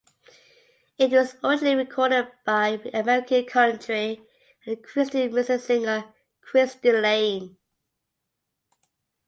It was originally recorded by American country and Christian music singer Cristy Lane.